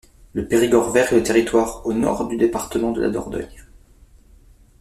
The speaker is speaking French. Le Périgord vert est le territoire au nord du département de la Dordogne.